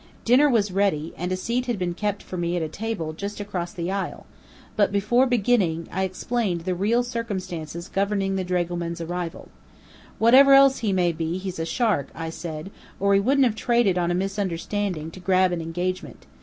Dinner was ready, and a seat had been kept for me at a table just across the aisle, but before beginning, I explained the real circumstances governing the dragoman's arrival. "Whatever else he may be, he's a shark," I said, "or he wouldn't have traded on a misunderstanding to grab an engagement.